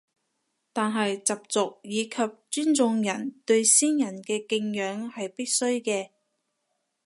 但係習俗以及尊重人對先人嘅敬仰係必須嘅